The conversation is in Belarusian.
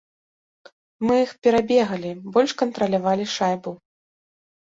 Мы іх перабегалі, больш кантралявалі шайбу.